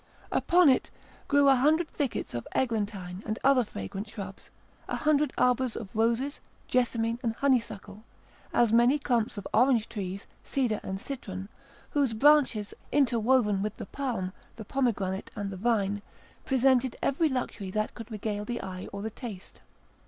Upon it grew a hundred thickets of eglantine and other fragrant shrubs, a hundred arbours of roses, jessamine, and honeysuckle, as many clumps of orange trees, cedar, and citron, whose branches, interwoven with the palm, the pomegranate, and the vine, presented every luxury that could regale the eye or the taste.